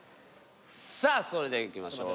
さぁそれではいきましょう。